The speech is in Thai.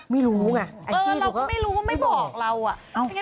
ไม่รู้ง่ะอัญขี่หนูก็ไม่บอกไม่เรียนไม่รู้ลาวะ